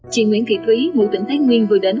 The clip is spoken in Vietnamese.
chị nguyễn thị thúy ngụ tỉnh thái nguyên vừa đến